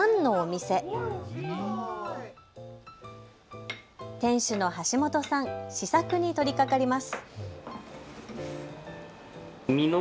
店主の橋本さん、試作に取りかかります。